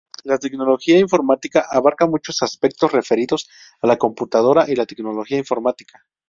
La tecnología informática abarca muchos aspectos referidos a la computadora y la tecnología informática.